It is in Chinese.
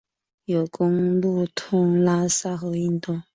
有公路通拉萨和印度。